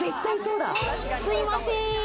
すいません。